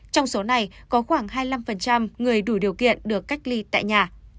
trong số này có khoảng hai mươi năm người dân